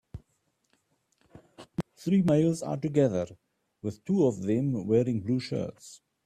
Three males are together with two of them wearing blue shirts.